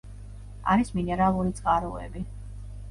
არის მინერალური წყაროები.